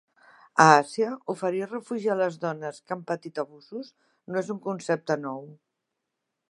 A Àsia, oferir refugi a les dones que han patit abusos no és un concepte nou.